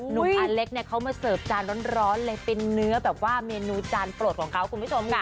อาเล็กเนี่ยเขามาเสิร์ฟจานร้อนเลยเป็นเนื้อแบบว่าเมนูจานโปรดของเขาคุณผู้ชมค่ะ